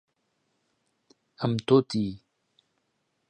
Amb tot i.